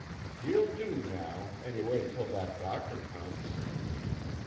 "He'll do now, anyway till that doctor comes."